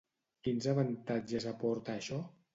Quins avantatges aporta això?